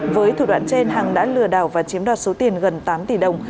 với thủ đoạn trên hằng đã lừa đảo và chiếm đoạt số tiền gần tám tỷ đồng